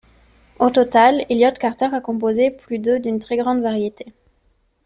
Au total, Elliott Carter a composé plus de d'une très grande variété.